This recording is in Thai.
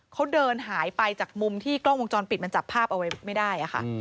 เขาเดินหายไปจากมุมที่กล้องวงจรปิดมันจับภาพเอาไว้ไม่ได้ค่ะ